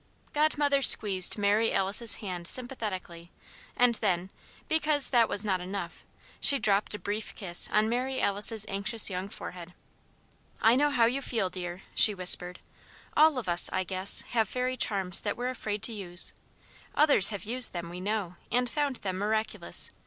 Godmother squeezed Mary Alice's hand sympathetically; and then, because that was not enough, she dropped a brief kiss on Mary Alice's anxious young forehead. "I know how you feel, dear," she whispered. "All of us, I guess, have fairy charms that we're afraid to use. Others have used them, we know, and found them miraculous.